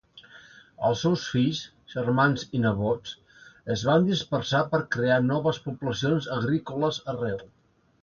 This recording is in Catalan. Els seus fills, germans i nebots es van dispersar per crear noves poblacions agrícoles arreu.